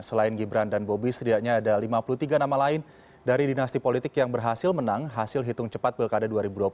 selain gibran dan bobi setidaknya ada lima puluh tiga nama lain dari dinasti politik yang berhasil menang hasil hitung cepat pilkada dua ribu dua puluh